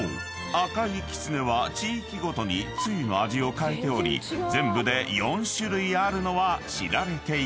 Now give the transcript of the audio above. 赤いきつねは地域ごとにつゆの味を変えており全部で４種類あるのは知られているが］